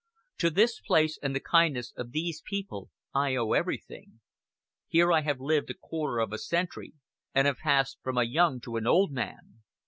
To this place and the kindness of these people I owe everything. Here I have lived a quarter of a century, and have passed from a young to an old man.